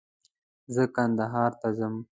زه کندهار ته ځم